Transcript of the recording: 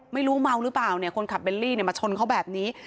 ไม่รู้เมาหรือเปล่าเนี่ยคนขับเบลลี่มาชนเขาแบบนี้